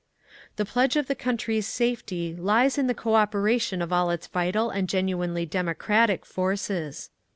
The pledge of the country's safety lies in the cooperation of all its vital and genuinely democratic forces.